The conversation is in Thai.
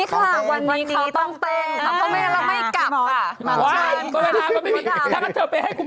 แต่วันนี้อันนี้ต้องเต้น